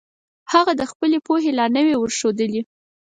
هغه د خپلې پوهې لار نه وي ورښودلي.